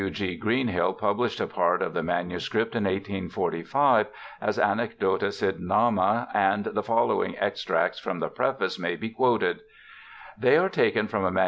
W. G. Greenhill published a part of the manuscript in 1845 as Anecdota Sydenhami, and the following extract from the preface may be quoted :' They are taken from a MS.